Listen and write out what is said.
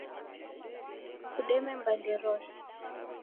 kudeme mbande rose.